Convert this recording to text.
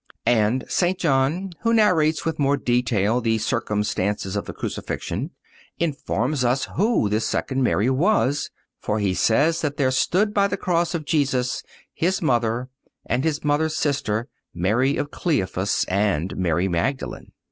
(231) And St. John, who narrates with more detail the circumstances of the Crucifixion, informs us who this second Mary was, for he says that there stood by the cross of Jesus His mother and His Mother's sister, Mary of Cleophas, and Mary Magdalen.